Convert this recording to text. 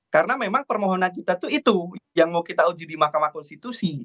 karena memang permohonan kita itu yang mau kita uji di mahkamah konstitusi